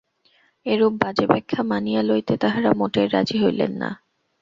এরূপ বাজে ব্যাখ্যা মানিয়া লইতে তাঁহারা মোটেই রাজী হইলেন না।